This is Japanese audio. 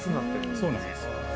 ◆そうなんです。